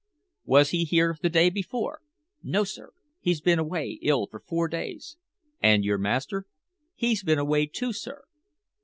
"Was he here the day before?" "No, sir. He's been away ill for four days." "And your master?" "He's been away too, sir."